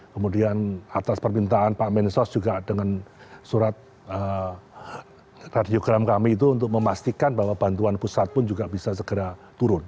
kemudian atas permintaan pak mensos juga dengan surat radiogram kami itu untuk memastikan bahwa bantuan pusat pun juga bisa segera turun